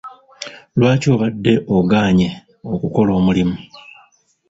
Lwaki obadde ogaanye okukola omulimu.